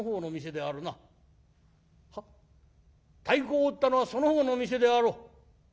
「太鼓を打ったのはその方の店であろう」。